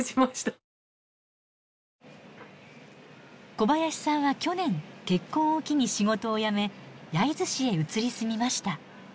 小林さんは去年結婚を機に仕事を辞め焼津市へ移り住みました。